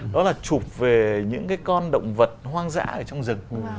đó là chụp về những cái con động vật hoang dã ở trong rừng